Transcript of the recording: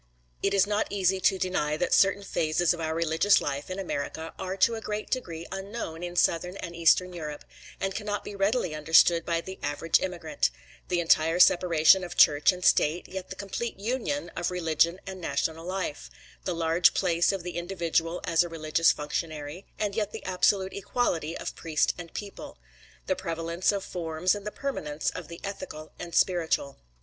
It is not easy to deny that certain phases of our religious life in America are to a great degree unknown in Southern and Eastern Europe, and cannot be readily understood by the average immigrant: the entire separation of Church and State, yet the complete union of religion and national life; the large place of the individual as a religious functionary, and yet the absolute equality of priest and people; the prevalence of forms and the permanence of the ethical and spiritual.